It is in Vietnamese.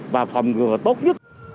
và phòng ngừa tốt nhất